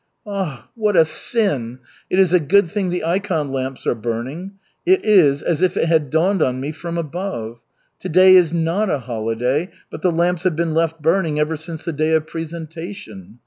"Ah, what a sin! It is a good thing the ikon lamps are burning. It is as if it had dawned on me from above. To day is not a holiday, but the lamps have been left burning ever since the day of Presentation.